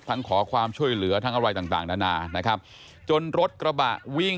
อย่าอย่าอย่าอย่าอย่าอย่าอย่าอย่าอย่าอย่าอย่าอย่าอย่าอย่าอย่า